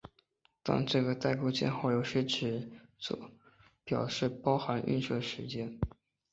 但这个带钩箭号有时只留作表示包含映射时用。